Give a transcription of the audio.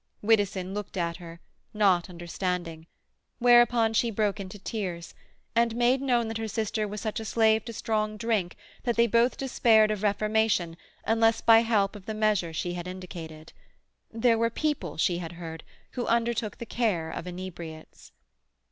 Widdowson looked at her, not understanding; whereupon she broke into tears, and made known that her sister was such a slave to strong drink that they both despaired of reformation unless by help of the measure she had indicated. There were people, she had heard, who undertook the care of inebriates.